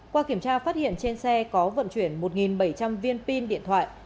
qua kiểm tra phát hiện trên xe có vận chuyển một bảy trăm linh viên pin điện thoại